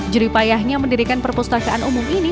jeripayahnya mendirikan perpustakaan umum ini